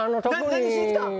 何しに来たん？